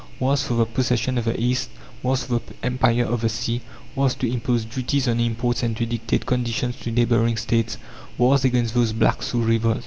Wars for the possession of the East, wars for the empire of the sea, wars to impose duties on imports and to dictate conditions to neighbouring states; wars against those "blacks" who revolt!